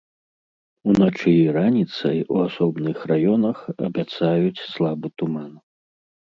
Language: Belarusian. Уначы і раніцай у асобных раёнах абяцаюць слабы туман.